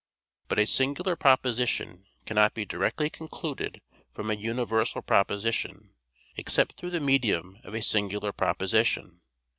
But a singular proposition cannot be directly concluded from a universal proposition, except through the medium of a singular proposition.